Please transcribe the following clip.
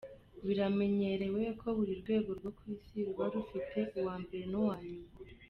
Biramenyerewe ko buri rwego rwo ku Isi ruba rufite uwa mbere n’uwa nyuma.